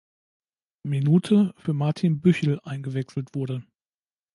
Minute für Martin Büchel eingewechselt wurde.